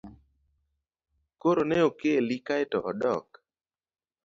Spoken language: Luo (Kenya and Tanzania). Koro ne okeli kaeto odok?